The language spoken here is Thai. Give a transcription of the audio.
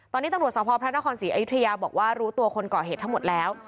ตอนนี้ตำรวจสภพระนครศรีอยุธยาบอกว่ารู้ตัวคนก่อเหตุทั้งหมดแล้ว